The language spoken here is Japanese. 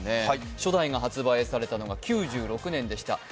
初代が発売されたのが９６年でした。